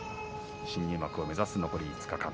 新入幕を目指す残り５日間